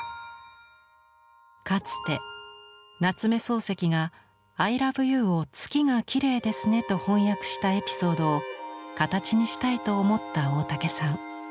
かつて夏目漱石が「アイラブユー」を「月がきれいですね」と翻訳したエピソードを形にしたいと思った大竹さん。